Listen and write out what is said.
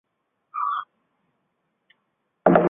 欧罗米终于找到最高隘口精灵。